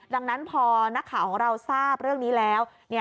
ดังนั้นพอนักข่าวของเราทราบเรื่องนี้แล้ว